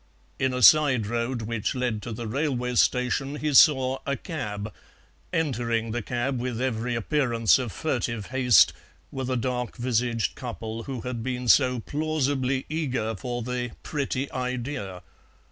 In a side road which led to the railway station he saw a cab; entering the cab with every appearance of furtive haste were the dark visaged couple who had been so plausibly eager for the "pretty idea."